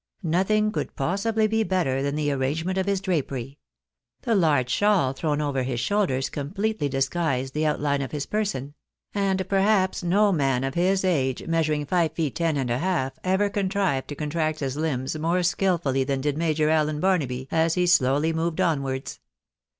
Nothing could possibly be better than the arrangement of his drapery. The large shawl thrown over his shoulders completely disguised the outline of his person ; and perhaps no man of his age, measuring five feet ten and a half, ever contrived to contract his limbs more skilfully than did Major Allen Barnaby, as he slowly moved onwards.